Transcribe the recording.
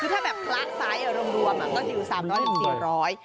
คือถ้าแบบคละไซส์รวมก็อยู่๓๐๐๔๐๐บาท